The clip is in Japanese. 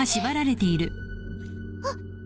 あっ！